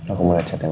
aku mulai catat mama